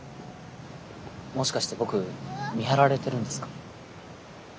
もしかして僕見張られてるんですか？